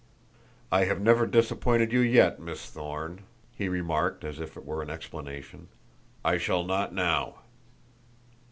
"I have never disappointed you yet, Miss Thorne," he remarked as if it were an explanation. "I shall not now."